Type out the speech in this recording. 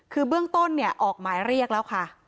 คือเบื้องต้นเนี่ยออกหมายเรียกแล้วค่ะ